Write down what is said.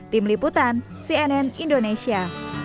tim liputan cnn indonesia